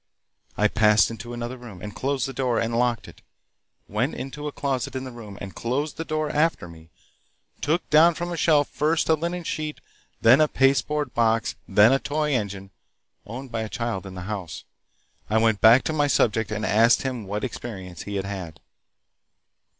I passed into another room and closed the door and locked it; went into a closet in the room and closed the door after me; took down from the shelf, first a linen sheet, then a pasteboard box, then a toy engine, owned by a child in the house. I went back to my subject and asked him what experience he had had.